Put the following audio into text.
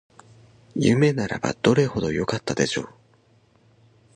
夢ならばどれほどよかったでしょう